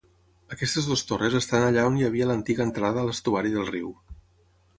Aquestes dues torres estan allà on hi havia l'antiga entrada a l'estuari del riu.